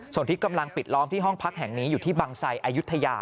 ส่วนที่กำลังปิดล้อมที่ห้องพักแห่งนี้อยู่ที่บังไซอายุทยา